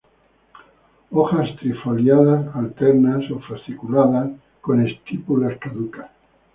Hojas trifoliadas, alternas o fasciculadas, con estípulas caducas.